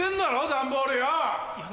段ボールよ！